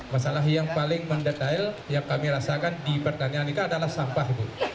masalah yang paling mendetail yang kami rasakan di pertanian itu adalah sampah bu